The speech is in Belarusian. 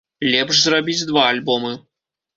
Лепш зрабіць два альбомы.